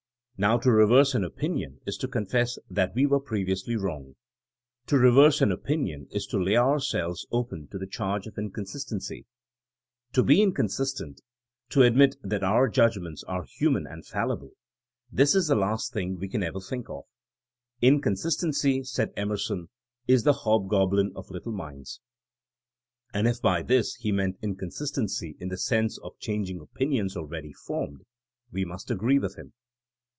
Now to reverse an opinion is to confess that we were previously wrong. To reverse an opinion is to lay our selves open to the charge of inconsistency. To be inconsistent — ^to admit that our judgments are human and fallible — this is the last thing we can ever think of. ^* Inconsistency,*' said Emerson, *4s the hobgoblin of little minds.*' And if by this he meant inconsistency in the sense of changing opinions already formed, we must agree with him.